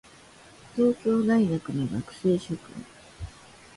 東京大学の学生諸君